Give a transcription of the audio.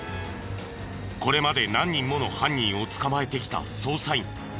これまで何人もの犯人を捕まえてきた捜査員。